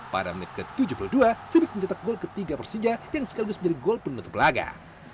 pada menit ke tujuh puluh dua sirip mencetak gol ketiga persija yang sekaligus menjadi gol penutup laga